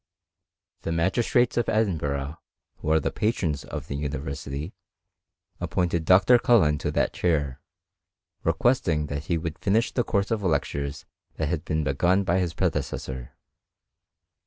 The magistrates of Edin burgh, who are the patrons of the university, appoint ed Dr. Cullen to that chair, requesting that he would finish the course of lectures that had been begun by his predecessor.